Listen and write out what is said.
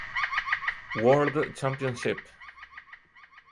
World Championship".